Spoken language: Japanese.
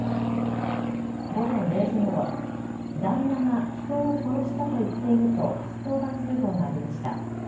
午前０時ごろ旦那が人を殺したと言っていると１１０番通報がありました。